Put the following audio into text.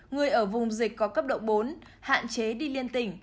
người ở vùng dịch có cấp độ bốn hạn chế đi liên tỉnh